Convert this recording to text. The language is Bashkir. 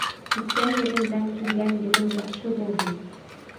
Киткән ереңдән килгән ерең яҡшы булһын!